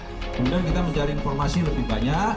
kemudian kita mencari informasi lebih banyak